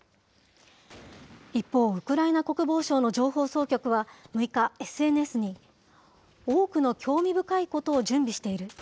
一方、ウクライナ国防省の情報総局は、６日、ＳＮＳに、多くの興味深いことを準備している。